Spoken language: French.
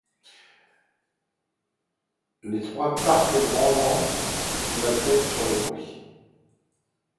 Les trois parques branlant la tête sur le bruit